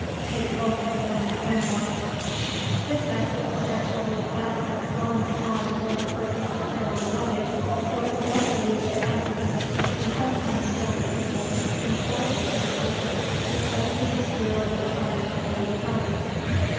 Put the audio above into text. (Tate Wilkinson, Memoirs.) This basket was actually a basket slung on for the purpose of carrying luggage, though it was also used for passengers, and sometimes filled with people in spite of its discomfort, because seats here were charged at a low price.